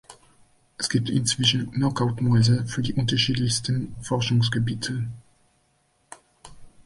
Es gibt inzwischen Knockout-Mäuse für die unterschiedlichsten Forschungsgebiete.